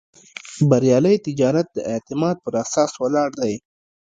بریالی تجارت د اعتماد پر اساس ولاړ دی.